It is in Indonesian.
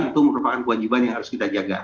itu merupakan kewajiban yang harus kita jaga